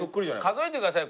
数えてください。